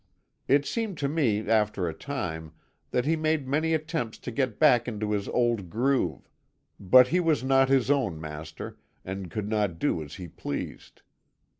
"It seemed to me, after a time, that he made many attempts to get back into his old groove; but he was not his own master, and could not do as he pleased.